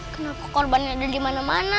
kenapa korbannya ada dimana mana